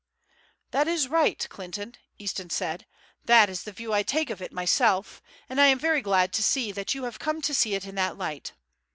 "That is right, Clinton," Easton said; "that is the view I take of it myself, and I am very glad to see that you have come to see it in that light.